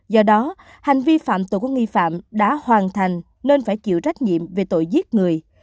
do đó hành vi phạm tội của nghi phạm đã hoàn thành nên phải chịu trách nhiệm về tội giết người